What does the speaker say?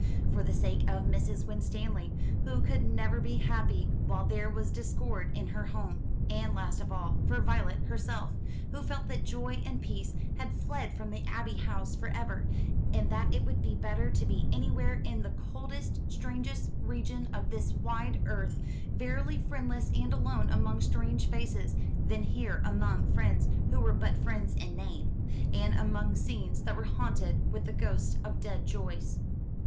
For the sake of Mrs. Winstanley, who could never be happy while there was discord in her home; and last of all, for Violet herself, who felt that joy and peace had fled from the Abbey House for ever, and that it would be better to be anywhere, in the coldest strangest region of this wide earth, verily friendless and alone among strange faces, than here among friends who were but friends in name, and among scenes that were haunted with the ghosts of dead joys.